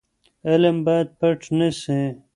علم باید پټ نه سي.